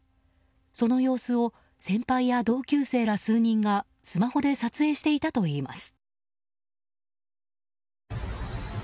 その様子を先輩や同級生ら数人がスマホで撮影していたといいます。